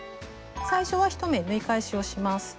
最初は１目縫い返しをします。